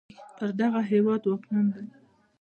پر دغه هېواد واکمن دی